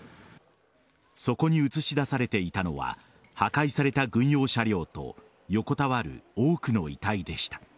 そこに映し出されていたのは破壊された軍用車両と横たわる多くの遺体でした。